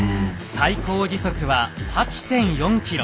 最高時速は８．４ｋｍ。